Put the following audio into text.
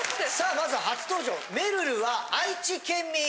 まず初登場めるるは愛知県民！